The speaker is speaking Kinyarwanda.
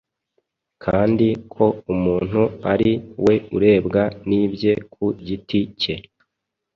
kandi ko umuntu ari we urebwa n’ibye ku giti cye.